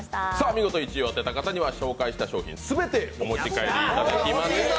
見事１位を当てた方には紹介した商品すべてお持ち帰りいただきます。